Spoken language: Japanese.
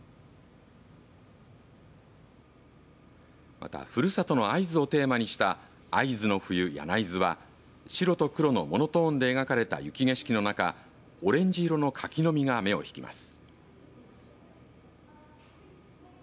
またふるさとの会津をテーマにした会津の冬柳津は白と黒のモノトーンで描かれた雪景色の中オレンジ色の柿の実が目を引きます。